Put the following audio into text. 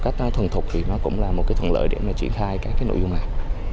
cách thuần thục thì nó cũng là một cái thuận lợi để mà triển khai các cái nội dung này